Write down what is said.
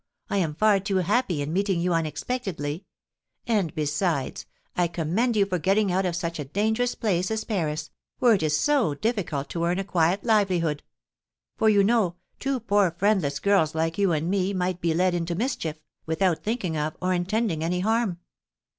I am far too happy in meeting you unexpectedly; and, besides, I commend you for getting out of such a dangerous place as Paris, where it is so difficult to earn a quiet livelihood; for, you know, two poor friendless girls like you and me might be led into mischief, without thinking of, or intending, any harm.